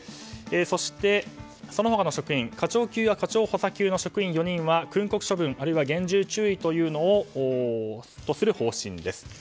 そして、その他の職員課長級や課長補佐級の職員４人は訓告処分、あるいは厳重注意とする方針です。